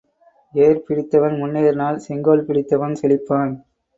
ஏர் பிடித்தவன் முன்னேறினால் செங்கோல் பிடித்தவன் செழிப்பான்.